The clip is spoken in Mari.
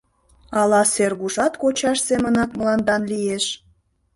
Ала Сергушат кочаж семынак мландан лиеш?